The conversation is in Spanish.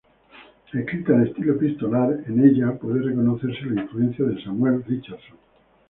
Escrita en estilo epistolar, en ella puede reconocerse la influencia de Samuel Richardson.